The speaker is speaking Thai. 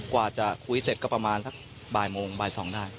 กว่าจะคุยเสร็จก็ประมาณสักบ่ายโมงบ่าย๒ได้